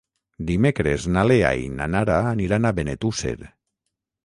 Dimecres na Lea i na Nara aniran a Benetússer.